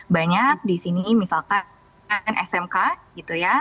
banyak di sini misalkan smk gitu ya